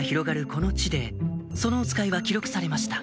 この地でそのおつかいは記録されました